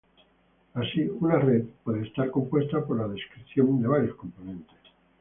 Así, una red puede estar compuesta por la descripción de varios componentes.